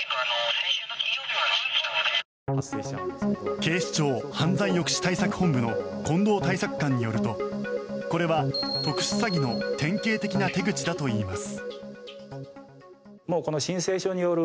警視庁犯罪抑止対策本部の近藤対策官によるとこれは特殊詐欺の典型的な手口だといいます。